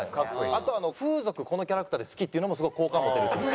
あと風俗このキャラクターで好きっていうのもすごく好感を持てるっていう。